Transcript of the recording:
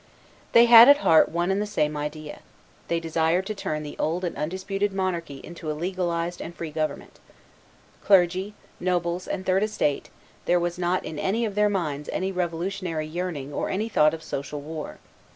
They all had at heart one and the same idea; they desired to turn the old and undisputed monarchy into a legalized and free government. Clergy, nobles, and third estate, there was not in any of their minds any revolutionary yearning or any thought of social war.